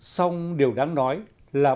xong điều đáng nói là bao trùm